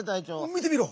見てみろ！